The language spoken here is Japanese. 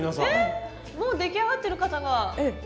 えっもう出来上がってる方が。